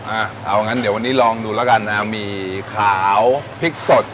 อ่ะเอางั้นเดี๋ยววันนี้ลองดูแล้วกันนะหมี่ขาวพริกสด